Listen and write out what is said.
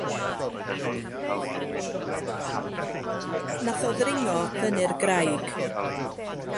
Nath o ddringo fyny'r graig.